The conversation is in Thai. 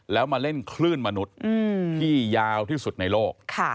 แล้วมาเล่นคลื่นมนุษย์ที่ยาวที่สุดในโลก